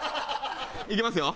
いきますよ？